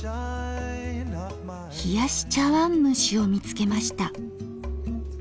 冷やし茶わんむしを見つけました。